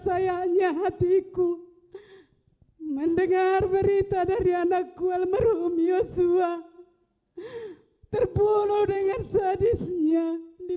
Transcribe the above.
sayangnya hatiku mendengar berita dari anakku almarhum yosua terbulu dengan sadisnya di